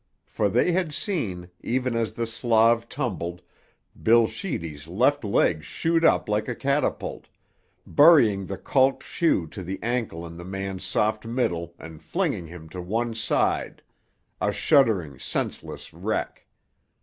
For they had seen, even as the Slav stumbled, Bill Sheedy's left leg shoot up like a catapult, burying the calked shoe to the ankle in the man's soft middle and flinging him to one side, a shuddering, senseless wreck.